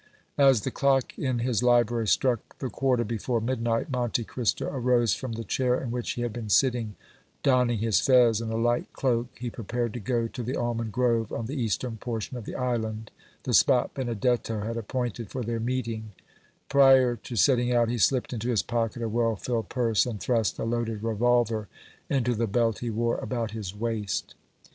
As the clock in his library struck the quarter before midnight, Monte Cristo arose from the chair in which he had been sitting; donning his fez and a light cloak, he prepared to go to the almond grove on the eastern portion of the island, the spot Benedetto had appointed for their meeting; prior to setting out he slipped into his pocket a well filled purse, and thrust a loaded revolver into the belt he wore about his waist.